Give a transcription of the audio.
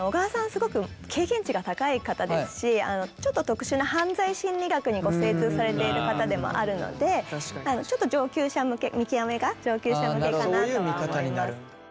すごく経験値が高い方ですしちょっと特殊な犯罪心理学にご精通されている方でもあるのでちょっと見極めが上級者向けかなとは思います。